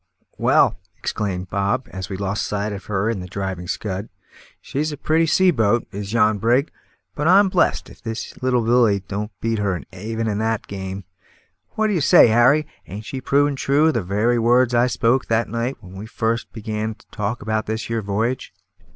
"Well," exclaimed Bob, as we lost sight of her in the driving scud, "she's a pretty sea boat, is yon brig; but I'm blest if the little Lily don't beat her even at that game. What say you, Harry; ain't she proving true the very words I spoke that night when we first began to talk about this here v'yage?"